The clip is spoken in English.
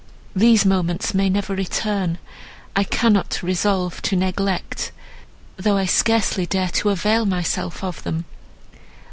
These moments may never return; I cannot resolve to neglect, though I scarcely dare to avail myself of them.